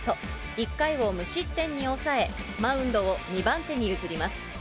１回を無失点に抑え、マウンドを２番手に譲ります。